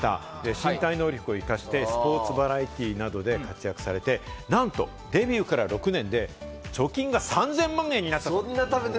身体能力を生かしてスポーツバラエティーなどで活躍されて、なんとデビューから６年で貯金が３０００万円になった。